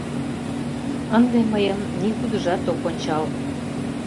Ынде мыйым нигудыжат ок ончал.